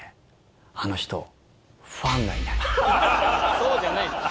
そうじゃない。